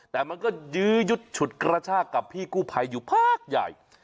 แต่มันก็ยื้อยุดฉุดกระชากกับพี่กู้ภัยอยู่พักใหญ่